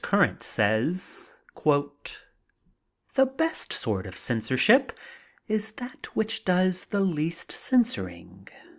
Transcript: Gmrant sajrs: ••The best sort of censorship is that which does the least censoring.